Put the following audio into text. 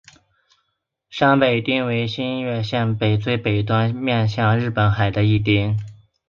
山北町为新舄县最北端面向日本海的一町。